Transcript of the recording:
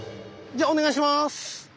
じゃお願いします！